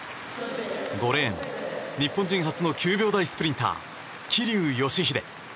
５レーン日本人初の９秒台スプリンター桐生祥秀。